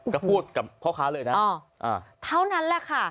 ก็พูดกับพ่อค้าเลยนะเท่านั้นแหละค่ะ